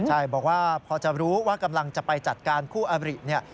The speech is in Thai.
ใช่บอกว่าพอจะรู้ว่ากำลังจะไปจัดการคู่อบริเนี่ย